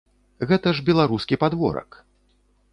Гэта ж беларускі падворак!